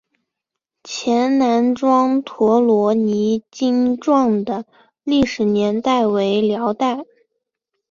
前南庄陀罗尼经幢的历史年代为辽代。